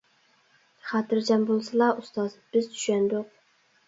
خاتىرجەم بولسىلا، ئۇستاز، بىز چۈشەندۇق.